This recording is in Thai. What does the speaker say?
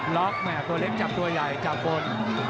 แม่ตัวเล็กจับตัวใหญ่จับบน